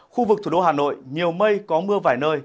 khu vực thủ đô hà nội nhiều mây có mưa vài nơi